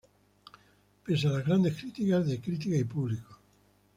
Pese a las grandes críticas de crítica y público.